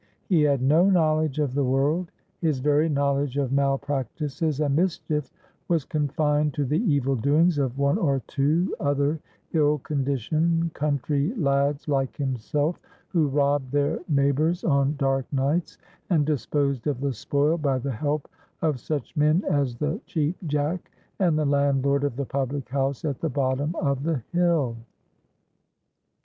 He had no knowledge of the world. His very knowledge of malpractices and mischief was confined to the evil doings of one or two other ill conditioned country lads like himself, who robbed their neighbors on dark nights, and disposed of the spoil by the help of such men as the Cheap Jack and the landlord of the public house at the bottom of the hill.